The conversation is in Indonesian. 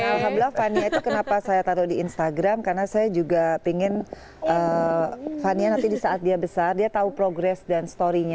dan alhamdulillah fania itu kenapa saya taruh di instagram karena saya juga pingin fania nanti di saat dia besar dia tahu progres dan storynya